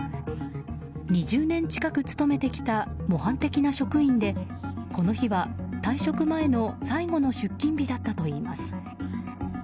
２０年近く勤めてきた模範的な職員でこの日は、退職前の最後の出勤日だったといいます。